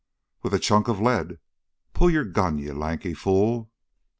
"With a chunk of lead! Pull your gun, you lanky fool!"